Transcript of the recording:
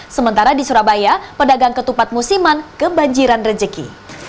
sementara di surabaya pedagang ketupat musiman kebanjiran rejeki